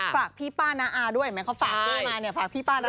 ฝากพี่ป้าน้าอาด้วยเห็นไหมเขาฝากพี่มาเนี่ยฝากพี่ป้านะ